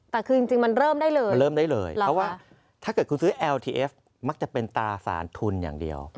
แต่คือจริงมันเริ่มได้เลย